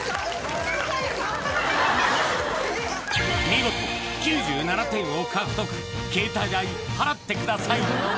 見事９７点を獲得携帯代払ってください